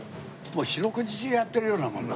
もう四六時中やってるようなものだ。